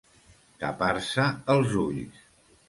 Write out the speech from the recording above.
Tapar-se els ulls.